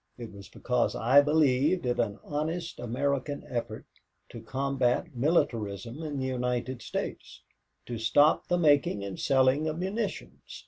It was because I believed it an honest American effort to combat militarism in the United States, to stop the making and selling of munitions.